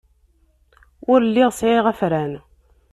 Ur lliɣ sɛiɣ afran.